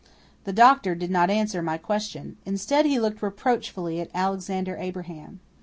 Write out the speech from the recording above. The doctor did not answer my question. Instead, he looked reproachfully at Alexander Abraham.